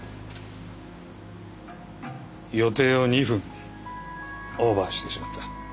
予定を２分オーバーしてしまった。